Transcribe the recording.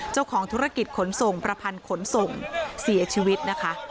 เจ้าของธุรกิจขนส่งประพันธ์ขนส่งเสียชีวิตนะคะ